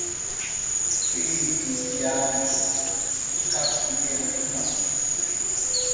Peitos de aves de capoeira não.